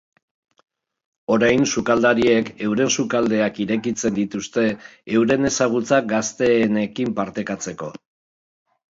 Orain sukaldariek euren sukaldeak irekitzen dituzte euren ezagutzak gazteenekin partekatzeko.